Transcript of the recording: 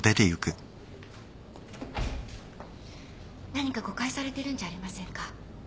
何か誤解されてるんじゃありませんか。